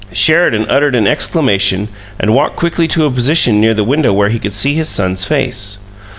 Sheridan uttered an exclamation and walked quickly to a position near the window where he could see his son's face.